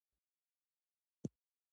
ذهن موږ ته د خطر خبرداری ورکوي.